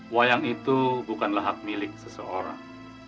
wayang itu bukanlah hak milik seseorang